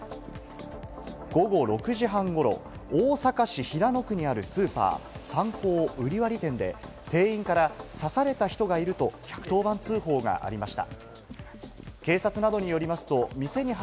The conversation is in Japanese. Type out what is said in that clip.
午後６時半頃、大阪市平野区にあるスーパー、サンコー瓜破店で店員から、「刺された人がいる」と１１０番通報がありました。